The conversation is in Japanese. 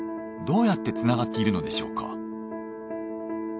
どうやってつながっているのでしょうか？